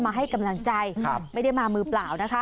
ให้กำลังใจไม่ได้มามือเปล่านะคะ